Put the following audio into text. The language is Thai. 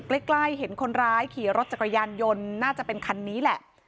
ใกล้เห็นคนร้ายขี่รถจักรยานยนต์น่าจะเป็นคันนี้แหละ